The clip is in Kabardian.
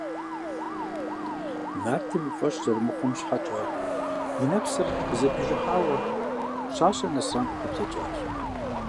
Нартым и фӀэщ зэрымыхъум щхьэкӀэ и нэпсыр къызэпижыхьауэ пщащэр Нэсрэн къыхуеплъэкӀащ.